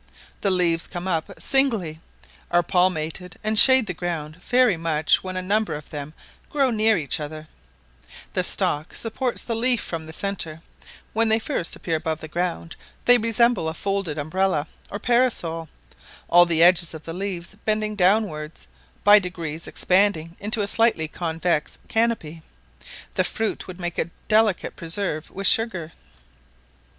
The leaves come up singly, are palmated and shade the ground very much when a number of them grow near each other; the stalk supports the leaf from the centre: when they first appear above the ground, they resemble a folded umbrella or parasol, all the edges of the leaves bending downward, by degrees expanding into a slightly convex canopy. The fruit would make a delicate preserve with sugar.